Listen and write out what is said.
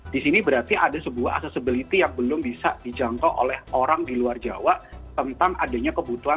di sini berarti ada sebuah accessibility yang belum bisa dijangkau oleh orang di luar jawa tentang adanya kebutuhan